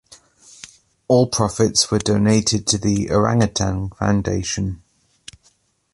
All profits were donated to The Orangutan Foundation.